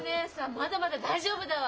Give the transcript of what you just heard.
まだまだ大丈夫だわ！